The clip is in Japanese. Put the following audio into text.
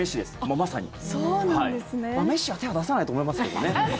まあ、メッシは手を出さないと思いますけどね。